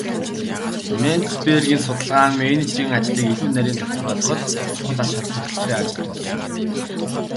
Менцбергийн судалгаа нь менежерийн ажлыг илүү нарийн тодорхойлоход чухал ач холбогдолтой ажил болсон.